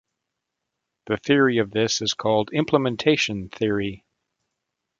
The theory of this is called implementation theory.